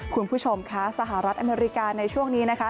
คุณผู้ชมคะสหรัฐอเมริกาในช่วงนี้นะคะ